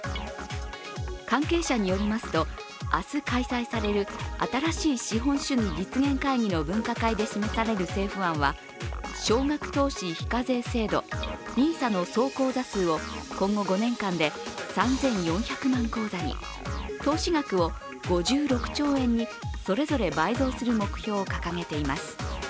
関係者によりますと、明日開催される新しい資本主義実現会議の分科会で示される政府案は少額投資非課税制度ＮＩＳＡの総口座数を今後５年間で３４００万口座に、投資額を５６兆円にそれぞれ倍増する目標を掲げています。